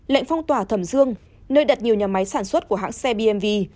lệnh phong tỏa thẩm dương nơi đặt nhiều nhà máy sản xuất của hãng xe bmv